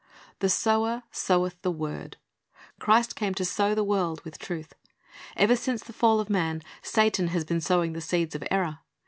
"The sower soweth the word." Christ came to sow the world with truth. Ever since the fall of man, Satan has been sowing the seeds of error.